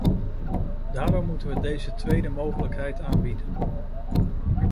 Daarom moeten we deze tweede mogelijkheid aanbieden.